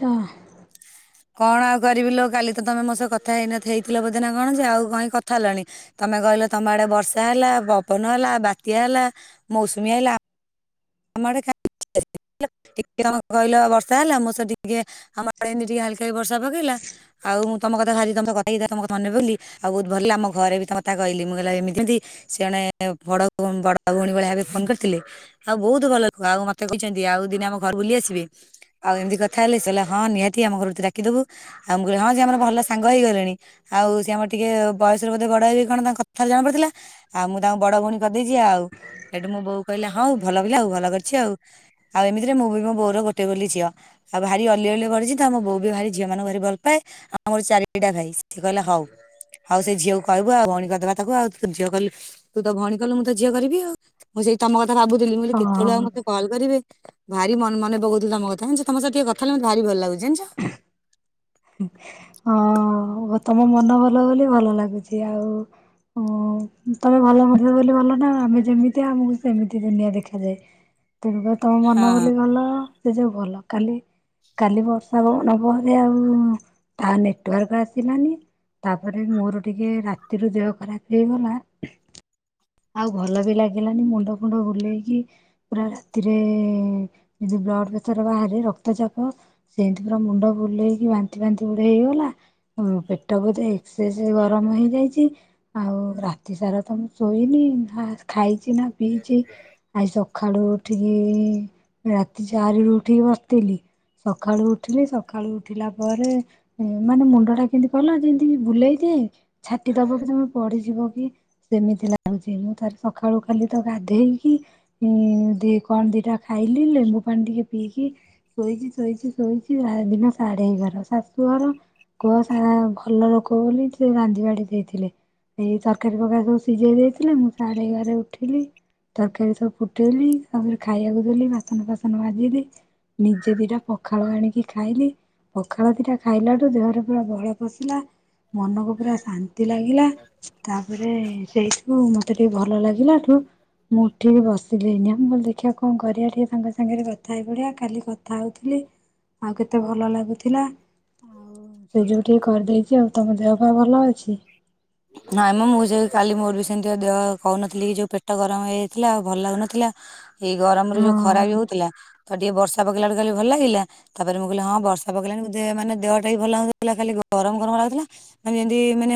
ଯା କଣ ଆଉ କରିବି ଲୋ କାଲି ତ ତମେ ମୋ ସହ କଥା ହେଇନ ହେଇଥିଲ ବୋଧେ ନା କଣ ଯେ ଆଉ କାଇଁ କଥା ହେଲାଣି ତମେ କହିଲେ ତମ ଆଡ଼େ ବର୍ଷା ହେଲା ପବନ ହେଲା ବାତ୍ୟା ହେଲା ମୌସୁମୀ ହେଲା ଆମର କାଇଁ [inaudible] ଟିକେ ଆମ କହିଲ ବର୍ଷା ହେଲା ମୁଁ ସହ ଟିକେ ଆମ ଏମିତି ଟିକେ ହାଲ୍ କାକି ବର୍ଷା ପକେଇଲା ଆଉ ମୁଁ ତମ କଥା ସାରି ତମ କଥା ହେଇଥିଲି ତମକୁ [unintelligible] ବୋଲି ଆଉ ବହୁତ ଭଲ ଲାଗିଲା ଆମ ଘରେ ବି ତମ କଥା କହିଲି ମୁଁ କହିଲ ଏମିତି ମତି ସିଏ ମାନେ ବଡ ବଡ ଭଉଣୀ ଭଳିଆ ଭାବେ ଫୋନ କରିଥିଲେ ଆଉ ବହୁତ ଭଲ ଖୁଆ ଆଉ ମତେ କହିଛନ୍ତି ଆଉ ଦିନେ ଆମ ଘରକୁ ବୁଲି ଆସିବେ ଆଉ ଏମିତି କଥା ହେଲେ ହଁ ନିହାତି ଆମ ଘରକୁ ତୁ ଡାକି ଦବୁ ଆଉ ମୁଁ କହିଲି ହଁ ସିଏ ଆମର ଭଲ ସାଙ୍ଗ ହେଇଗଲେଣି ଆଉ ସିଏ ଆମର ଟିକେ ବୟସରେ ବୋଧେ ବଡ ଡ ହେବେ କି କଣ ତାଙ୍କ କଥରୁ ଜଣା ପଡୁଥିଲା ଆଉ ମୁଁ ତାଙ୍କୁ ବଡ ଭଉଣୀ କରିଦେଇଛି ଆଉ ହେଠୁ ମଁ ବୋଉ କହିଲି ହଉ ଭଲ ପିଲା ଆଉ ଭଲ କରିଛି ଆଉ ଆଉ ଏମିତିରେ ମୁଁ ବି ମୋ ବୋଉର ଗୋଟେ ବୋଲି ଝିଅ ଆଉ ଭାରି ଅଲି ଅଳିରେ ବଢ଼ିଛି ତ ଆମ ମୋ ବୋଉ ବି ଭାରି ଝିଅମାନଙ୍କୁ ଭାରି ଭଲ ପାଏ ଆଉ ମୋର ଚାରିଟା ଭାଇ ସିଏ କହିଲା ହଉ। ହଉ ସେ ଝିଅକୁ କହିବୁ ଆଉ କରିଦେବା ତାକୁ ଆଉ ତୁ ଝିଅ କିଲୁ ତୁ ତ ଭଉଣୀ କଲୁ ମୁଁ ତ ଝିଅ କରିବି ଆଉ। ମୁଁ ସେଇ ତମ କଥା ଭାବୁଥିଲି ମୁଁ ବୋଲି କେତେବେଳେ ଆଉ ହଁ। ମତେ କଲ୍ କରିବେ? ଭାରି ମନ ମନେ ପକଉଥିଲି ତମ କଥା ଜାଣିଛ ତମ ସହିତଏ କଥା ହେଲେ ମତେ ଭାରି ଭଲ ଲାଗୁଛି ଜାଣିଛ। ହଁ ତମ ମନ ଭଲ ବୋଲି ଭଲ ଲାଗୁଛି ଆଉ। ଓ ତମେ ଭଲ ମଣିଷ ବୋଲି ଭଲ ନା ଆମେ ଯେମିତି ଆମକୁ ସେମିତି ଦୁନିଆ ଦେଖାଯାଏ। ତେଣୁକ ତମ ମନ ହଁ ବୋଲି ଭଲ। ସେ ଯ ଭଲ କାଲି କାଲି ବର୍ଷା ପବନ ପରେହ ଆଉ। [unintelligible] ତା ନେଟୱାର୍କ ଆସିଲାନି। ତାପରେ ମୋର ଟିକେ ରାତି ରୁ ଦେହ ଖରାପ ହେଇଗଲା। ଆଉ ଭଲ ବି ଲାଗିଲାନି ମୁଣ୍ଡ ଫୁଣ୍ଡ ବୁଲେଇକି ପୁରା ରାତିରେ ଯଦି ବ୍ଲଡ ପ୍ରେସର ବାହାରେ ରକ୍ତ ଚାପ ସେମିତି ପୁରା ମୁଣ୍ଡ ବୁଲେଇକି ବାନ୍ତି ବାନ୍ତି ଗୁଡେ ହେଇଗଲା। ପେଟ ବୋଧେ ଏକ୍ସସ ଗରମ ହେଇଯାଇଛି ଆଉ ରାତି ସାରା ତମ ଶୋଇନି ଖାଇଛି ନା ପିଇଛି ଆଜି ସକାଳୁ ଉଠିକି ଇ ରାତି ଚାରି ରୁ ଉଠିକି ବସିଥିଲି। ସକାଳୁ ଉଠିଲି ସକାଳୁ ଉଠିଲା ପରେ ମାନେ ମୁଣ୍ଡଟା କେମିତି କହିଲ ଯେମିତି ବୁଲେଇଦିଏ। ଛାଟି ଦବ କି ତମେ ପଡିିଯିବ କି ସେମିତି ଲ ଆଉ ମୁଁ ତାର ସକାଳୁ ଖାଲି ତ ଗାଧେଇକି ଦି କଣ ଦିଟା ଖାଇଲି ଲେ ପାଣି ଟିକେ ପିଇକି ଶୋଇଛି ଶୋଇଛି ଶୋଇଛି ଦିନ ସାଢେ ହେଇ ଘର ଶାଶୁ ଘର କୁହ ସା ଭଲ ଲୋକ ବୋଲି ଟିକେ ରାନ୍ଧି ବାଡି ଦେଇଥିଲେ। ଏଇ ତରକାରୀ ପକା ସବୁ ସିଝେଇ ଦେଇଥିଲେ ମୁଁ ସାଢେଏଗାରେ ଉଠିଲି। ତରକାରୀ ସବୁ ଫୁଟେଇଲି ଆଉ ତାପରେ ଖାଇବାକୁ ଦେଲି ବାସନ ଫାସନ ମାଜିଲି। ନିଜେ ଦିଇଟା ପଖାଳ ଆଣିକି ଖାଇଲି। ପଖାଳ ଦିଟା ଖାଇଲାଠୁ ଦେହରେ ପୁରା ବଳ ପଶିଲା। ମନକୁ ପୁରା ଶାନ୍ତି ଲାଗିଲା ତାପରେ ସେଇ ମତେ ଟିକେ ଭଲ ଲାଗିଲାଠୁ ମୁଁ ଉଠିକି ବସିଲେନି ଆମ ଦେଖି ଦେଖିବା କଣ କରିବା ଟିକେ ସାଙ୍ଗ ସାଙ୍ଗରେ କଥା ହେଇ ପଡିଆ କାଲି କଥା ହଉଥିଲି। ଆଉ କେତେ ଭଲ ଲାଗୁଥିଲା। ଆଉ ସେ ଯୋଉଠି କରିଦେଇଛି ଆଉ ତମ ଦେହ ପା ଭଲ ଅଛି? ନାଇଁମ ମୁଁ ସେ କାଲି ମୋର ବି ସେମିତିହ କହୁନଥିଲି କି ଯୋଉ ପେଟ ଗରମ ହେଇଯାଇଥିଲା ଆଉ ଭଲ ଲାଗୁନଥିଲା। ଏଇ ଗରମରେ ଯୋଉ ଖରା ବି ହଁ ହଉଥିଲା ତ ଟିକେ ବର୍ଷା ଶା ପକେଇଲାଉ କାଲି ଭଲ ଲାଗିଲ ତାପରେ ମୁଁ କହିଲି ହଁ ବର୍ଷା ପକେଇଲାଣି ମନେ ଦେହ ମାନ ଦେହଟା ବି ଭଲ ଲାଗୁନଥିଲା ଖାଲି ଗରମ ଗରମ ଥିଲା ଯେମିତି ମାନେ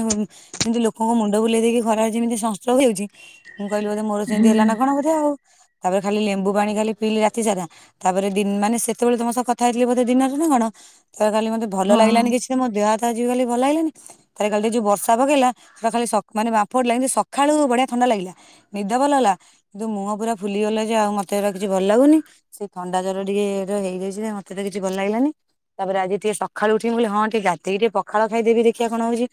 ଯେମିତି ଲୋକଙ୍କ ମୁଣ୍ଡ ବୁଲେଇ ଦେଇକି ଖରାରେ ଯେମିତି ସଂଷ୍ଟ୍ରୋକ ହେଉଚି ମୁଁ କହିଲି ବୋଧେ ମୋର ସେମିତି ହୁଁ ହେଲା ନା କଣ ବୋଧେ ଆଉ? ତାପରେ ଖାଲି ଲେମ୍ବୁ ପାଣି ଖାଲି ପିଇଲି ରାତି ସାରା ତାପରେ ଦିନ୍ ମାନେ ସେତେବେଳେ ତମ ସହ କଥା ହେଇଥିଲି ବୋଧେ ଦିନରେ ନା କଣ? ତ କାଲି ମତେ ଭଲ ଲାଗିଲାନି ହଁ କିଛି ତ ମୋ ଦେହ ଯିବ ଖଲି ଭଲ ଲାଗିଲାନି ତାର କାଲି ଯୋଉ ବର୍ଷା ପକେଇଲା ସେଟା ଖାଲି ମାନେପଡ [unintelligible] ଲାଗ ସଖାଳୁ ବଢିଆ ଥଣ୍ଡା ଲାଗିଲା ନିଦ ଭଲ ହେଲା କିନ୍ତୁ ମୁହଁ ପୁରା ଫୁଲି ଗଲା ଯେ ଆଉ ମତେ ଏବେ କିଛି ଭଲ ଲାଗୁନି ସେଇ ଥଣ୍ଡା ଜ୍ୱର ଟିକେ ହେଇଯାଇଛି ମତେ ତ କିଛି ଭଲ ଲାଗିଲାନି। ତାପରେ ଆଜି ଟିକେ ସକାଳୁ ଉଠିବି ବୋଲି ହଁ ଟିକେ ଗାଧେଇକି ଟିକେ ପଖାଳ ଖାଇଦବି ଦେଖିବା କଣ ହଉଚି।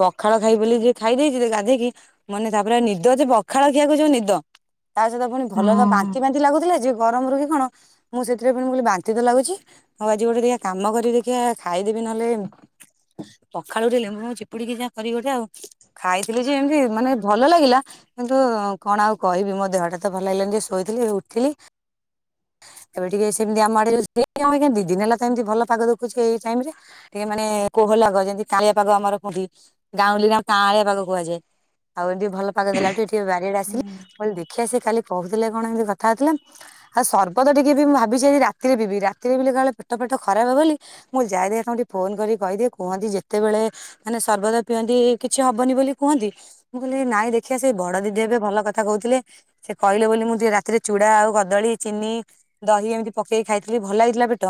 ପ ଖାଳ ଖାଇ ବୋଲି ଯଉ ଖାଇ ଦେଇଥିଲି ଗାଧେଇକି ମାନେ ତାପରେ ନିଦ ଯେ ପଖାଳ ଖିଆକୁ ଯଉ ନିଦ। ତା ସହିତ ପୁଣି ଭଲ ତ ହଁ ବାନ୍ତି ବାନ୍ତି ଲାଗୁଥିଲା ଯେ ଗରମରୁ କି କଣ ମୁଁ ସେଥିରେ ପୁଣି ବାନ୍ତି ତ ଲାଗୁଛି ଆଉ ଆଜି ଗୋଟେ କାମ କରେ ଦେଖିଆ ଖାଇଦେବି। ନହେଲେ ପଖାଳକୁ ଲେମ୍ବୁ ଫେମ୍ବୁ ଚିପୁଡିକିନା କରି ଗୋଟେ ଆଉ ଖାଇଥିଲି ଯେ ଏମିତି ମାନେ ଭଲ ଲାଗିଲା କିନ୍ତୁ କଣ ଆଉ କହିବି ମୋ ଦେହଟା ଭଲ ଲାଗିଲାନି ଶୋଇଥିଲି ଉଠିଲି। ଏବେ ଟିକେ ସେମିତି ଆମ ଆଡେ ଦିନ ହେଲା ଏମିତି ଭଲ ପାଗ ଦେଖୁଛି ଏଇ ଟାଇମ ରେ ଟିକେ ମାନେ କୋ ଭଲ ଲାଗ ଯେମିତି କାଁଳିଆ ପାଗ ଆମର କୁହନ୍ତି ଗାଁଉଲି ଗାଁ କାଁଆଳିଆ ପାଗ କୁହାଯାଏ। ଆଉ ଏମିତି ଭଲ ପାଗ ଦେଲା ଟୁ ଏଠି ବାରିଆଡେ ଆସିଲି ହୁଁ କହିଲି ଦେଖିଆ ସେ କାଲି କହୁଥିଲେ କଣ ଏମିତି କଥା ହଉଥିଲା ଆଉ ସର୍ବତ ଟିକେ ବି ମୁଁ ଭାବିଛି ଆଜି ରାତିରେ ପିଇବି ରାତିରେ ପିଇଲେ କାଳେ ପେଟ ଫେଟ ଖରାପ ବୋଲି ମୁଁ ଜା [unintelligible] ଫୋନ କରି କହିଦିଏ କୁହନ୍ତି ଯେତେବେଳେ ମାନେ ସର୍ବଦା ପିଅନ୍ତି କିଛି ହବନି ବୋଲି କୁହନ୍ତି ମୁଁ କହିଲି ନାଇଁ ଦେଖିବା ସେଇ ବଡ ଦିଦି ଏବେ ଭଲ କଥା କହୁଥିଲେ। ସେ କହିଲେ ବୋଲି ମୁଁ ଟିକିଏ ରାତିରେ ଚୁଡା ଆଉ କଦଳୀ, ଚିନି, ଦହି ଏମିତି ପକେଇକି ଖାଇଥିଲି ଭଲ ଲାଗିଥିଲା ପେଟ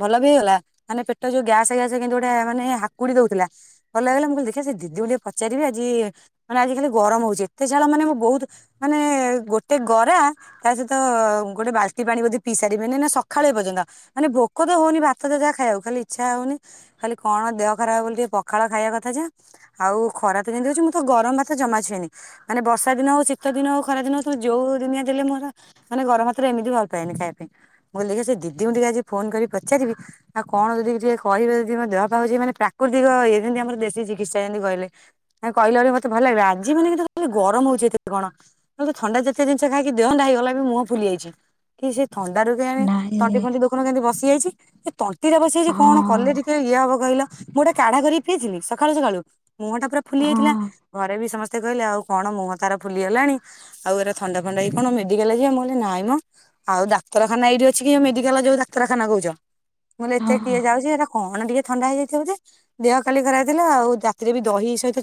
ଭଲ ବି ହେଇଗଲା ମାନେ ପେଟ ଯୋଉ ଗ୍ୟାସେ ଗ୍ୟାସେ ଗୋଟେ ମାନେ ହାକୁଡି ଦଉଥିଲା ଭଲ ହେଇଗଲା। ମୁଁ କହିଲି ଦେଖି ସେ ଦିଦିକୁ ଟିକେ ପଚାରିବେ ଆଜି ମାନେ ଆଜି ଖାଲି ଗରମ ହଉଛି ଏତେ ଝାଳ ମାନେ ମୁଁ ବହୁତ ମାନେ ଗୋଟେ ଗରା ତା ସହିତ ଗୋଟେ ବାଲ୍ଟି ପାଣି ବୋଧେ ପିଇସାରିବିନି ନା ସଖାଳୁ ଏପର୍ଯ୍ୟନ୍ତ ମାନେ ଭୋକ ଭୋକ ତ ହଉନି ଭାତ ତ ଯାହା ଖାଇବାକୁ ଖାଲି ଇଚ୍ଛା ହଉନି। ଖାଲି କଣ ଦେହ ଖରାପ ହବ ବୋଲି ଟିକେ ପଖାଳ ଖାଇବା କଥା ଯେ ଆଉ ଖରା ତ ଯିନ୍ତି ହଉଚି ମୁଁ ତ ଗରମ ଭାତ ଜମା ଛୁଏନି ମାନେ ବର୍ଷା ଦିନ ହଉ ଶୀତ ଦିନ ହଉ ଖରା ଦିନ ହଉ ଯୋଉ ଦିନିଆ ଦେଲେ ମୋର ମାନେ ଗରମ୍ ‌ଭାତ ଏମିତି ଭଲ ପାଏନି ଖାଇବା ପାଇଁଁ ମୁଁ କହିଲି ଦେଖିଆ ସେ ଦିଦି ଙ୍କୁ ଟିକେ ଆଜି ଫୋନ୍ କ ପଚାରିବି ଆଉ କଣ ଯଦି ଟିକିଏ କହିବେ ଯଦି ଦେହ ପା ହଉଚି ମାନେ ପ୍ରାକୃତିକ ଯେମିତି ଆମର ଦେଶୀ ଚିକି ସେନ୍ତି କହିଲେ କହିଲେ ବୋଲି ମତେ ଭଲ ଲାଗିଲା ଆଜି ମାନେ କହିଲେ ଗରମ ହଉଛି ଏତେ କଣ ତମକୁ ଥଣ୍ଡା ଯେତେ ଜିନିଷ ଖାଇକି ଦେହ ଥଣ୍ଡା ହେଇଗଲା ବି ମୁହଁ ଫୁଲି ଯାଇଛି କି ସେ ଥଣ୍ଡାରୁୁ କେଜାଣି ତଣ୍ଟି ନାଇଁ ଫଣ୍ଟି ଦେଖୁନ କେମିତି ବସି ଯାଇଛି ସେ ତଣ୍ଟି ଟା ବସିଯାଇଛି କଣ କଲେ ହଁ ଟିକେ ସେ ଇଏ ହବ କହିଲ ମୁଁ ଗୋଟେ କାଢା କରି ପିଇଜିମି ସ- ସକାଳୁ ସକାଳୁ ମୁହଁ ଟା ପୁରା ଫୁଲି ଯାଇଥିଲା ହଁ ଘରେ ବି ସମସ୍ତେ କହିଲେ ଆଉ କଣ ମୁହଁ ତାର ଫୁଲିଗଲାଣି ଆଉ ଏରା ଥଣ୍ଡା ଫଣ୍ଡା ହେଇ କଣ ମେଡିକାଲ ଯିବା ମୁଁ କହିଲି ନାଇଁ ମ ଆଉ ଡାକ୍ତରଖାନା ଏଇଠି ଅଛିକି ମେଡିକାଲ ଯିବା ଡ଼ା ରଖାନା କହୁଛ ମୁଁ କହିଲି ଏତେ ହଁ କିଏ ଯାଉଛି ଏଇଟା କଣ ଟିକେ ଥଣ୍ଡା ହେଇଯାଇଥିବ ଯେ ଦେହ ଖାଲି ଖରା ଥିଲା ଆଉ ରାତିରେ ବି ଦହି ସହିତ ସ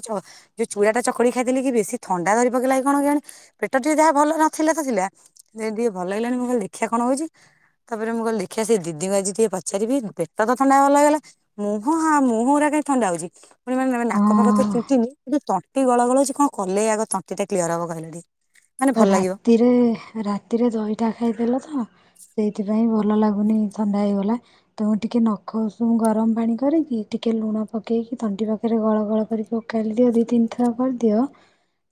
ଯୋଉ ଚୂୁଡାଟା ଚକଡି ଖାଇଥିଲି, କି ବେଶୀ ଥଣ୍ଡା ଧରି ପକେଇଲା କି କଣ କେଜାଣି? ପେଟ ଟିକେ ଯାହା ଭଲ ନଥିଲା ତ ଥିଲା, ଯେନ୍ତି ଭଲ ଲାଗିଲାଣି ମୁଁ ଖାଲି ଦେଖିବା କଣ ହଉଚି। ତାପରେ ମୁଁ କହିଲି ଦେଖିଆ ସେ ଦିଦିଙ୍କୁ ଆଜି ଟିକେ ପଚାରିବି ପେଟ ତ ଥଣ୍ଡା ଭଲ ହେଇଗଲା, ମୁହଁ ହାଁ ମୁହଁ ଗୁରା ଥଣ୍ଡା ହଉଚି। ପୁଣି ମାନେ ନାକ ଫାକ ତ ହଁ ଚୁଟିନି କିନ୍ତୁ ତଣ୍ଟି ଗଳ ଗଳ ହଉଚି କଣ କଲେ ଆଗ ତଣ୍ଟି ଟା କ୍ଲିୟର ହବ କହିଲେ? ରାତିରେ ରାତିରେ ଦହିଟା ଖାଇଦେଲ ତ ସେଇଥିପାଇଁ ଭଲ ଲାଗୁନି ଥଣ୍ଡା ହେଇଗଲା ତ ଟିକେ ନଖ ଉଷୁମୁ ଗରମ ପାଣି କରିକି ଟିକେ ଲୁଣ ପକେଇକି ତଣ୍ଟି ପାଖରେ ଗଳ ଗଳ କରିକି ଓକାଳି ଦିଅ ଦି ତିନି ଥର କରିଦିଅ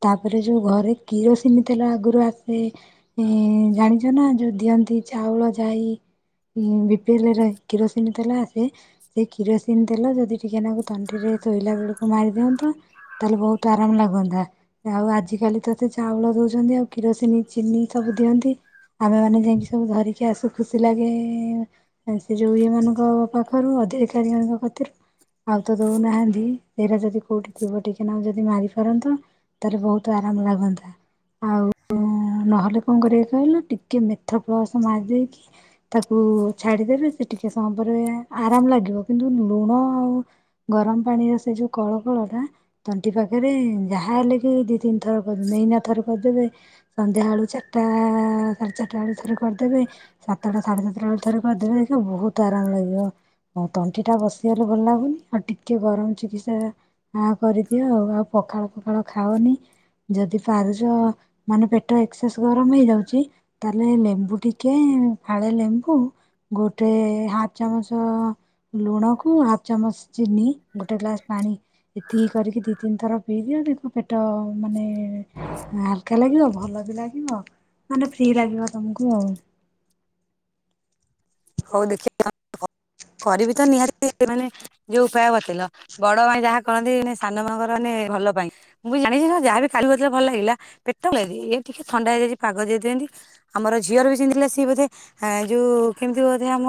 ତାପରେ ଯୋଉ ଘରେ କିରୋ ସିନି ତେଲ ଆଗରୁ ଆସେ ଜାଣିଛ ନା ଯୋଉ ଦିଅନ୍ତି ଚାଉଳ ଜାଇ ମୁଁ ବିପିଏଲ ରେ କିରୋସିନି ତେଲ ଆସେ। ସେ କିରୋସିନି ତେଲ ଯଦି ଟିକେ ନାକୁ ତଣ୍ଟିରେ ଶୋଇଲା ବେଳକୁ ମାରି ଦିଅନ୍ତୁ, ତାହେଲେ ବହୁତ ଆରାମ ଲାଗନ୍ତା ଆଉ ଆଜିକାଲି ତତେ ଚାଉଳ ଦଉଚନ୍ତି ଆଉ କିରୋସିନ, ଚିନି ସବୁ ଦିଅନ୍ତି। ଆମେ ମାନେ ଯାଇକି ସବୁ ଧରିକି ଆସୁ ଖୁସି ଲାଗେ, ସେ ଯୋଉ ଇଏ ମାନଙ୍କ ପାଖରୁ ଆଉ। [unintelligible] କତିରୁ। ଆଉ ତ ଦଉନାହାନ୍ତି ଏରା ଯଦି କୋଉଠି ଥିବ ଟିକେ ନାକୁ ଯଦି ମାରି ପାରନ୍ତ। ତାପରେ ବହୁତ ଆରାମ ଲାଗନ୍ତା ଆଉ ନହେଲେ କଣ କରିବାକୁ କହିଲ ଟିକେ ମେଥ ପ୍ଳସ ମାରି ଦେଇକି ତାକୁ ଛାଡିଦେବେ ସେ ଟିକେ ଟିକେ ସମୟ ପରେ ଆରାମ ଲାଗିବ କିନ୍ତୁ ଲୁଣ ଆଉ ଗରମ ପାଣିର ସେ ଯୋଉ କଳ କଳଟା ତଣ୍ଟି ପାଖରେ ଯାହା ହେଲେ ବି ଦି ତିନି ଥର କରିବ। ଏଇନା ଠାରୁ କରିଦେବେ ସନ୍ଧ୍ୟା ବେଳୁ ଚାରିଟା ସାଢେ ଚାରିଟା ବେଳେ ଥରେ କରିଦେବେ ସାତଟା ସାଢେ ସାତଟା ଥରେ କରିଦେବେ ଦେଖିବ ବହୁତ ଆରାମ ଲାଗିବ। ଆଉ ତଣ୍ଟି ଟା ବସିଗଲେ ଭଲ ଲାଗୁନି ଆଉ ଟିକେ ଗରମ ଚିକିତ୍ସା କରିଦିଅ ଆଉ, ଆଉ ପଖା ପଖାଳ ଫଖାଳ ଖାଅନି ଯଦି ପାରୁ [unintelligible] ମାନେ ପେଟ ଏକ୍ସଏସ୍ ଗରମ ହେଇଯାଉଛି ତାହାଲେ ଲେମ୍ବୁ ଟିକେ ଫାଳେ ଲେମ୍ କୁ ଗୋଟେ ହାପ୍ ଚାମଚ। ଲୁଣକୁ ହାଫ୍ ଚାମଚ ଚିନି ଗୋଟେ ଗ୍ଲାସ ପାଣି ଏତିକି କରିକି ଦି ତିନି ଥର ପିଇଦିଅ ଦେଖିବୁ ପେଟ ମାନେ ହାଲକା ଲାଗିବ ଭଲ ବି ଲାଗିବ ମାନେ ଫ୍ରି ଲାଗିବ ତମକୁ ଆଉ। ହଉ ଦେଖିବା [unintelligible] କରିବି ତ ନିହାତି ମାନେ ଯୋଉ ଉପାୟ ବତେଇଲ ବଡ ମାନେ ଯାହା କହନ୍ତି ସାନ [unintelligible] ଙ୍କର ମାନେ ଭଲ ପାଇଁ ମୁଁ ବି ଜାଣିଛି ଯାହା ବି କାଢଲେ ଭଲ ଲାଗିଲା ପେଟ ଇ ଟିକେ ଥଣ୍ଡା ହେଇଯାଇଛି ପାଗ ଦେଇଥାିଅନ୍ତି ଆମର ଝିଅର ବି ସେନ୍ତି ହେଲା ସିଏ ବୋଧେ ଯୋଉ କେମିତି ବୋଧେ ଆମ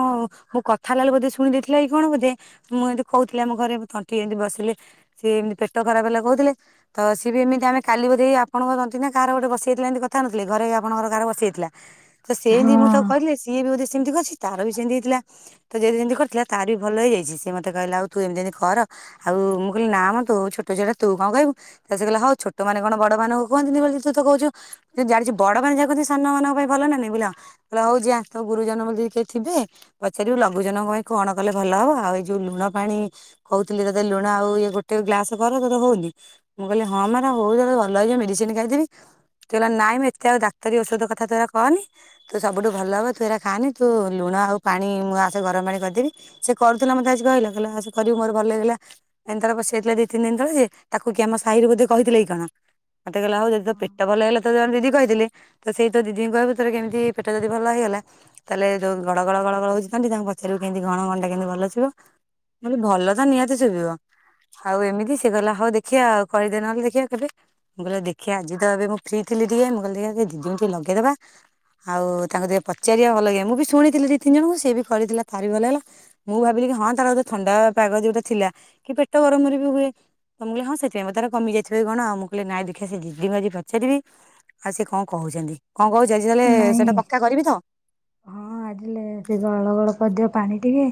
ମୁଁ କଥା ହେଲାବେଳେ ବୋଧେ ଶୁଣି ଦେଇଥିଲା କି କଣ ବୋଧେ ମୁଁ ଏଯୋଉ କହୁଥିଲି ଆମ ଘରେ ମୋ ତଣ୍ଟି ବସିଲେ ସିଏ ଏମିତି ପେଟ ଖରାପ ହେଲା କହୁଥିଲେ, ତ ସିଏ ବି ଏମିତି ଆମେ କାଲି ବଧେଇ ଆପଣଙ୍କ ତଣ୍ଟି ନା କାହା କାହା ଗୋଟେ ବସି ଯାଇଥିଲା ଏମତି କଥା ହଉ ନଥିଲେ ଘରେ ଆପଣଙ୍କର କାହାର ବସି ଯାଇଥିଲା, ତ ହଁ ସେମତି ମୁଁ ତାକୁ କହିଲି ସିଏ ବି ବୋଧେ ସ ସେମତି କରିଛି ତାର ବି ସେମତି ହେଇଥିଲା ତା ଜେଜେ ଯେମତି କରିଥିଲା ତାର ବି ଭଲ ହେଇଯାଇଛି ସେ ମତେ କହିଲା ଆଉ ତୁ ଏମତି ଏମତି କର ଆଉ ମୁଁ କହିଲି ନା ମଁ ତୁ ଛୋଟ ଝିଅଟା ତୁ କଣ କହିବୁ ସେ କହିଲା ହଉ ଛୋଟ ମାନେ କଣ ବଡ ମାନଙ୍କୁ କୁହନ୍ତିନି ବୋଲି ହେଲେ ତୁ ତ କହୁଛୁ ଜାଣିଛୁ ବଡ ମାନେ ଯାହା କୁହନ୍ତି ସାନ ମାନଙ୍କ ପାଇଁ ଭଲ ନା ନାଇଁ [unintelligible] ହଉ ଯା ଗୁରୁଜନ ବୋଲି କିଏ ଥିବେ ପଚାରିବୁ ଲଘୁଜନଙ୍କ ପାଇଁ କଣ କଲେ ଭଲ ହବ, ଆଉ ଏଇ ଯୋଉ ଲୁଣ ପାଣି ହଉଥିଲି ତତେ ଲୁଣ ଆଉ ଇଏ ଗୋଟେ ଗ୍ଲାସ କର ତୋତେ ହଉନି ମୁଁ କହିଲି ହଁ ମାର ହଉଚି ଭଲ ହେଇଯିବ ମେଡିସିନ ମେଡିକାଲ ଯିବି ସେ କହିଲା ନାଇଁ ମୁଁ ଏତେ ଆଉ ଡାକ୍ତରୀ ଔଷଧ କଥା ତୁ ଆଉ କହନି ତୁ ସବୁଠୁ ଭଲ ହବ ତୁ ସେରା ଖାଆନି ତୁ ଲୁଣ ଆଉ ପାଣି ମୁଁ ଆସେ ଗରମ ପାଣି କରଦେବି ସେ କରୁଥିଲା ମତେ ଆସି କହିଲା କହିଲା ଆସେ କରିବୁ ମୋ ଗରମ ଭଲ ହେଇଗଲା ଏନ୍ତି ଥରେ ବସି ଯାଇଥିଲା ଦି ତିନି ଦିନ ତଳେ, ତାକୁ କିଏ ଆମ ସାହିରେ ବୋଧେ କହିଥିଲେ କି କଣ ମତେ କହିଲା ହଉ ଯଦି ତୋ ପେଟ ଭଲ ହେଲା ତ ଯି କହିଥିଲି ତ ସେଇ ତ ଦିଦିଙ୍କୁ କହିବୁ ତତେ କେମିତି ପେଟ ଯଦି ଭଲ ହେଇଗଲା ତାହେଲେ ଯୋଉ ଗଳ ଗଳ ଗଳ ହଉଛି ତଣ୍ଟି ତାଙ୍କୁ ପଚାରିବି କେମିତି କଣ [unintelligible] ମୁଁ କହିଲି ଭଲ ତ ନିହାତି ଶୁଭିବ। ଆଉ ଏମିତି ସେ କହିଲା ହଉ ଦେଖିବା ଆଉ କହିଦେ ନହେଲେ ଦେଖିବା କେବେ, ମୁଁ କହିଲି ଦେଖିବା ଆଜି ତ ଏବେ ମୁଁ ଫ୍ରି ଥି ମୁଁ କିଲ ଟ ଦି ଦ ଟେ ଲଗେଇଦବା ଆଉ ତାଙ୍କୁ ଦେ ପଚାରିବା ଭଲ ଲାଗେ ମୁଁ ବି ଶୁଣିଥିଲି ଦି ତିନ ଜଣଙ୍କୁ ସେ ବି କରିଥିଲା ତାର ବି ଭଲ ହେଲା ମୁଁ ଭାବିଲି ହଁ ତାର ବୋଧେ ଥଣ୍ଡା ତା ପାଗ ଯୋଉଟା ଥିଲା କି ପେଟ ଗରମରେ ବି ହୁଏ। ତ ମୁଁ କହିଲି ହଁ ସେଥିପାଇଁ ବୋଧେ ତାର କମି ଯାଇଥିବ କି କଣ ଆଉ ମୁଁ କହିଲି ନାଇଁ ଦେଖିଆ ସେ ଦିଦିଙ୍କୁ ଆଜି ପଚାରିବି ଆଉ ସିଏ କଣ କହୁଛନ୍ତି କଣ କହୁଚ ଆଜି ତାହେଲେ ନାଇଁ ସେଇଟା ପକ୍କା କରିବି ତ? ହଁ। ବାଜିଲେ ସେ ଗଳ ଗଳ କରିଦିଅ ପାଣି ଟିକେ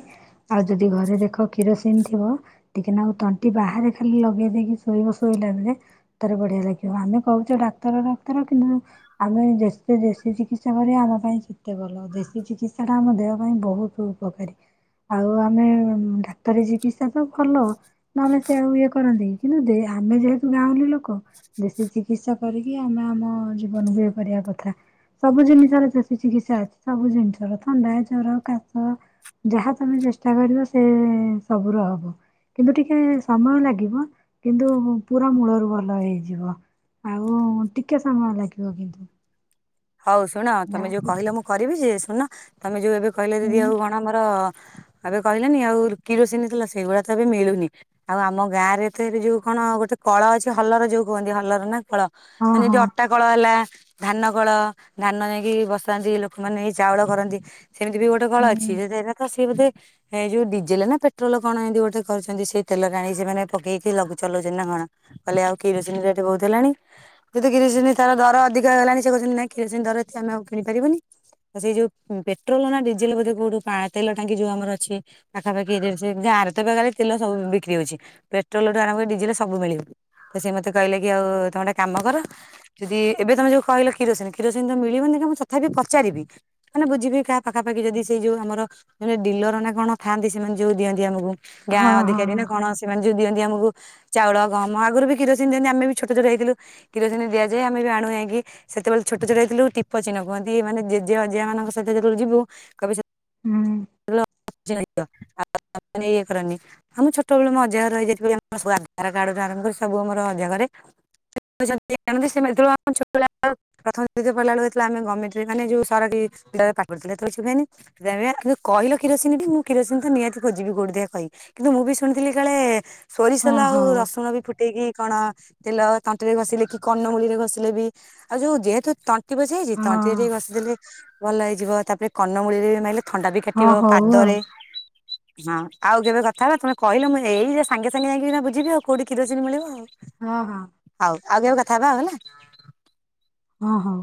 ଆଉ ଯଦି ଘରେ ଦେଖ କିରୋସିନ ଥିବ ଟିକେ ନାକୁ ତଣ୍ଟି ବାହାରେ ଖାଲି ଲଗେଇ ଦେଇକି ଶୋଇବ ଶୋଇଲା ବେଳେ ତାର ବଢିଆ ଲାଗିବ ଆମେ କହୁଛ ଡା ଡାକ୍ତର ଡାକ୍ତର କିନ୍ତୁ ଆମେ ଯେତେ ଦେଶୀ ଚିକିତ୍ସା କରିବା ଆମ ପାଇଁ ସେତେ ଭଲ ଦେଶୀ ଚିକିତ୍ସାଟା ଆମ ଦେହ ପାଇଁ ବହୁତ ଉପକାରି। ଆଉ ଆମେ ଡାକ୍ତରୀ ଚିକିତ୍ସା ତ ଭଲ ନହେଲେ ସେ ଆଉ ଇଏ କରନ୍ତି। କିନ୍ତୁ ଯେ ଆମେ ଯେହେତୁ ଗାଁଉଁଲି ଲୋକ ଦେଶୀ ଚିକିତ୍ସା କରିକି ଆମେ ଆମ ଜୀବନକୁ ଏ କରିବା କଥା। ସବୁ ଜିନିଷର ଦେଶୀ ଚିକିତ୍ସା ଅଛି ସବୁ ଜିନଷର ଥଣ୍ଡା, ଜର, କାଶ ଯାହା ତମେ ଚେଷ୍ଟା କରିବ ସେ ସବୁର ହବ। କିନ୍ତୁ ଟିକେ ସମୟ ଲାଗିବ କିନ୍ତୁ ପୁରା ମୂଳରୁ ଭଲ ହେଇଯିବ। ଆଉ ଟିକେ ସମୟ ଲାଗିବ କିନ୍ତୁ। ହଉ ଶୁଣ ତମେ ଯୋଉ ଯାହାକି କହିଲ ମୁଁ କରିବି ଯେ, ଶୁଣୁନ ତମେ ଯୋଉ ଏବେ କହିଲ ହୁଁ ଦିଦି ଆଉ କଣ ମୋର ଏବେ କହିଲନି ଆଉ କିରୋସିନି ତେଲ ସେଇଗୁଡା ତ ଏବେ ମିଳୁନି ଆଉ ଆମ ଗାଁରେ ତ ଏବେ ଯୋଉ କଣ ଗୋଟେ କଳ ଅଛି ହଲର ଯୋଉ କୁହନ୍ତି ହଲର ନା କଳ ହଁ ମାନେ ଯଦି ହଁ ଅଟା କଳ ହେଲା, ଧାନ କଳ ଧାନ ନେଇକି ବସାନ୍ତି ଲୋକମାନେ ଚାଉଳ କରନ୍ତି ସେମିତି ବି ଗୋଟେ କଳ ଅଛି ହୁଁ ଯଦି ଏକା ତ ସିଏ ବୋଧେ ଏ ଯୋଉ ଡିଜେଲ ନା ପେଟ୍ରୋଲ କଣ ଏମିତି ଗୋଟେ କରୁଛନ୍ତି ସେଇ ତେଲଟା ଆଣିକି ସେମାନେ ପକେଇକି ଲଗୁ ଚଲଉଛନ୍ତି ନା କ ହଁ କହିଲେ ଆଉ କିରୋସିନି ରେଟେ ବହୁତୁ ହେଲାଣି ଯେହେତୁ କିରୋସିନି ତାର ଦର ଅଧିକ ହେଇ ଗଲାଣି ସେ କହୁଛନ୍ତି ନାଇଁ କିରୋସିନି ଦର ଅଛି ଆମେ ଆଉ କିଣି ପାରିବାନି। ତ ସେଇ ଯୋଉ ପେଟ୍ରୋଲ ନା ଡିଜେଲ ବୋଧେ କୋଉଠୁ ପା ତେଲ ଟାଙ୍କି ଯୋଉ ଆମର ଅଛି ପାଖାପାଖିା ଏରିଆରେ ସେ ଯଦି ଆ ଗାଁରେ ତ ଏବେକାର ତେଲ ସବୁ ବିକ୍ରି ହଉଛି ପେଟ୍ରୋଲଠୁ ଆରମ୍ଭ କରି ଡିଜେଲ ସବୁ ମିଳିବ। ତ ସେ ମତେ କହିଲେ କି ଆଉ ତମ ଗୋଟେ କାମ କର ଯଦି ଏବେ ତମେ ଯୋଉ କହିଲ କିରୋସିନି କିରୋସିନି ତ ମିଳିବନି ମୁଁ ତଥାପି ପଚାରିବି ମାନେ ବୁଝିବି କାହା ପାଖାପାଖି ଯଦି ସେଯୋଉ ଆମର ମା ଡିଲର ଡିଲର ନା କଣ ଥାନ୍ତି ସେମାନେ ଯୋଉ ଦିଅନ୍ତି ଆମକୁ, ଗାଁ ହଁ ହଁ ଅଧିକାରୀ ନା କଣ ସେମାନେ ଯୋଉ ଦିଅନ୍ତି ଆମକୁ ଚାଉଳ ଗହମ ଆଗରୁ ବି କିରୋସିନି ଦିଅନ୍ତି, ଆମେ ଛୋଟ ବ ଛୋଟ ହେଇଥିଲୁ କିରୋସିନ ଦିଆଯାଏ ଆମେ ବି ଆଣୁ ଯାଇଁକି ସେତେବେଳେ ଛୋଟ ଛୋଟ ହେଇଥିଲୁ ଟିପ ଚିହ୍ନ କୁହନ୍ତି ମାନେ ଜେଜେ ଅଜା ମାନଙ୍କ ସହିତ ଯେତେବେଳେ ଯିବୁ କହିବେ ସେ ହୁଁ। [unintelligible] ଇଏ କରନି ହଁ ମୁଁ ଛୋଟବେଳୁ ମୋ ଅଜା ଘରେ ରହିଯାଇ ଆମର ସବୁ ଆଧାର କାର୍ଡ଼ ଆରମ୍ଭ କରି ସବୁ ମୋର ଅଜାଘରେ [unintelligible] ତୋମେ ଯେ ପଇଲା ବେଳେ ହେଇଥିଲା ଆମେ ଗମେଣ୍ଟ ରେ ମାନେ ଯୋଉ ସରାଟି ଡାଇରେକ୍ଟ ପାଠପଢୁଥିଲେ। ସେତେବେଳେ ଶୁଭେନି ବେମିଆ ଆ ତୋତେ କହିଲେ କିରୋସିନ ଟି ମୁଁ କିରୋସିନ ତ ନିହାତି ଖୋଜିବି କୋଉଠି ଦେଖିଆ କହି। କିନ୍ତୁ ମୁଁ ବି ଶୁଣିଥିଲି କାଳେ ସୋରିଷ ତେଲ ହଁ ଆଉ ହଉ ରସୁଣ ବି ଫୁଟେଇକି କଣ ତେଲ ତଣ୍ଟିରେ ଘଷିଲେ କି କନମୂଳିରେ ଘଷିଲେ ବି ଆଉ ଯୋଉ ଯେହେତୁ ତ ତଣ୍ଟି ବସିଯାଇଚି। ହଁ ତଣ୍ଟି ଟା ଟିକେ ଘଷିଦେଲେ ଭଲ ହେଇଯିବ। ତାପରେ କନମୂଳିରେ ମାଇଲେ ଥଣ୍ଡା ବି ହଁ କାଟିବ। ହଉ ଆଉ ପାଦରେ ହଁ, ଆଉ କେବେ କଥା ହେବା। ତୋମେ କହିଲ ମୁଁ ଏଇରେ ସାଙ୍ଗେ ସାଙ୍ଗେ ଯାଇକି ଏଇନା ବୁଝିବି ଆଉ କୋଉଠି କିରୋସିନି ମିଳିବ ଆଉ। ହଁ, ହଁ। ହଉ ଆଉ କେବେ କଥା ହେବା ହେଲା। ହଁ, ହଁ।